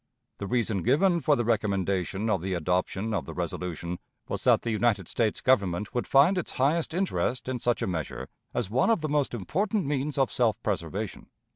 The reason given for the recommendation of the adoption of the resolution was that the United States Government would find its highest interest in such a measure as one of the most important means of self preservation.